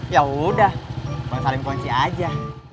yaudah bang salim kuncinya aja